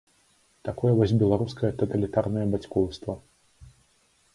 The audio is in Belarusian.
Такое вось беларускае таталітарнае бацькоўства.